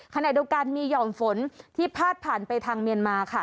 ขณะเดียวกันมีหย่อมฝนที่พาดผ่านไปทางเมียนมาค่ะ